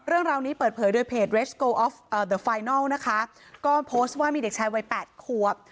เรื่องราวนี้เปิดเผยด้วยเพจนะคะก็โพสต์ว่ามีเด็กชายวัยแปดขวบ